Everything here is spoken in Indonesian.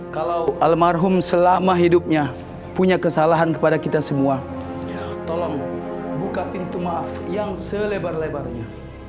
kalau almarhum selama hidupnya punya kesalahan kepada kita semua tolong buka pintu maaf yang selebar lebarnya